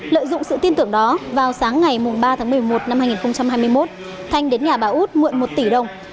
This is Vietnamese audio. lợi dụng sự tin tưởng đó vào sáng ngày ba tháng một mươi một năm hai nghìn hai mươi một thanh đến nhà bà út mượn một tỷ đồng